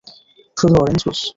শুধু orange juice?